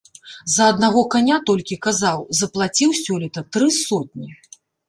За аднаго каня толькі, казаў, заплаціў сёлета тры сотні.